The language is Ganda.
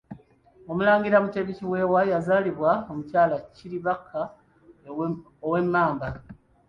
Omulangira Mutebi Kiweewa yazaalibwa Omukyala Kiribakka ow'Emmamba.